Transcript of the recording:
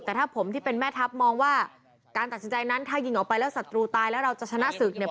แต่ถ้าผมที่เป็นแม่ทัพมองว่าการตัดสินใจนั้นถ้ายิงออกไปแล้วศัตรูตายแล้วเราจะชนะศึกเนี่ย